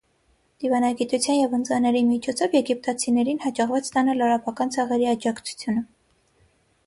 Դիվանագիտության և ընծաների միջոցով եգիպտացիներին հաջողվեց ստանալ արաբական ցեղերի աջակցությունը։